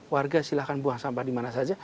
warga silahkan buang sampah dimana saja